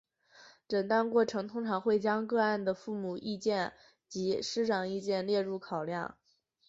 诊断过程通常会将个案的父母意见及师长意见列入考量。